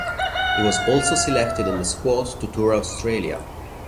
He was also selected in the squad to tour Australia.